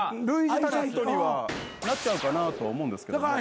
類似タレントにはなっちゃうかなと思うんですけど。